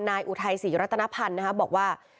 นายอุทัยศรียุฤษณภัณฑ์บอกว่า